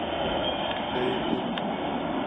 買物